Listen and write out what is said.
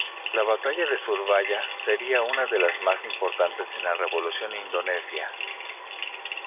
La batalla de Surabaya sería una de las más importantes en la Revolución Indonesia.